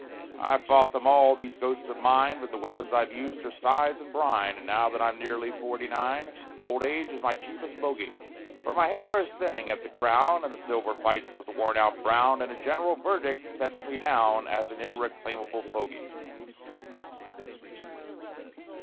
I've fought them all, these ghosts of mine, But the weapons I've used are sighs and brine, And now that I'm nearly forty nine, Old age is my chiefest bogy; For my hair is thinning away at the crown, And the silver fights with the worn out brown; And a general verdict sets me down As an irreclaimable fogy.